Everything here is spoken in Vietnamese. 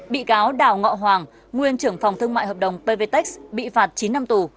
bị cáo đào ngọ hoàng nguyên trưởng phòng thương mại hợp đồng pvtec bị phạt chín năm tù